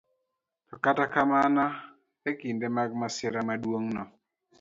To kata mana e kinde mag masira maduong'no,